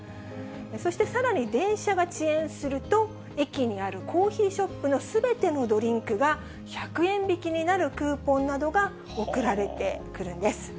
そしてさらに電車が遅延すると、駅にあるコーヒーショップのすべてのドリンクが１００円引きになるクーポンなどが送られてくるんです。